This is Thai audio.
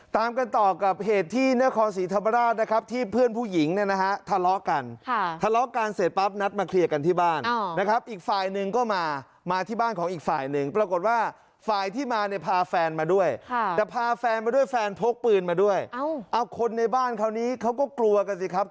ตามกันต่อกับเหตุที่นครศรีธรรมราชนะครับที่เพื่อนผู้หญิงเนี่ยนะฮะทะเลาะกันทะเลาะกันเสร็จปั๊บนัดมาเคลียร์กันที่บ้านนะครับอีกฝ่ายหนึ่งก็มามาที่บ้านของอีกฝ่ายหนึ่งปรากฏว่าฝ่ายที่มาเนี่ยพาแฟนมาด้วยแต่พาแฟนมาด้วยแฟนพกปืนมาด้วยเอาคนในบ้านคราวนี้เขาก็กลัวกันสิครับ